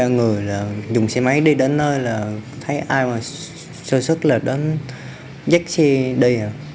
ba người dùng xe máy đi đến nơi là thấy ai mà sơ sức là đến dắt xe đi